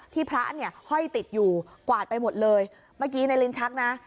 พระเนี่ยห้อยติดอยู่กวาดไปหมดเลยเมื่อกี้ในลิ้นชักนะ